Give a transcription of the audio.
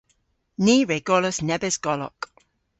Ni re gollas nebes golok.